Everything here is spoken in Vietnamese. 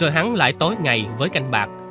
hôm nay với canh bạc